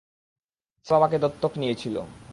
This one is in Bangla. ছেলে বাবাকে দত্তক নিয়েছিল।